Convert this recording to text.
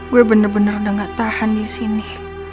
gue bener bener udah gak tahan di sini